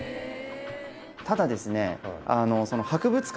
ただですね。